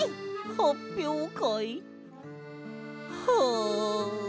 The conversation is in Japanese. はっぴょうかいはあ。